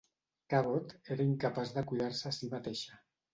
Cabot era incapaç de cuidar-se a sí mateixa.